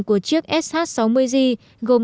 của chiếc sh sáu mươi z gồm